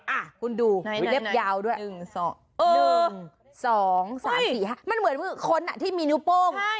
อ่ะคุณดูมีเล็บยาวด้วย๑๒๓๔๕มันเหมือนคนที่มีนิ้วโป้ง